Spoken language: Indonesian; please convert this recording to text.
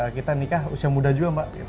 kita nikah usia muda juga mbak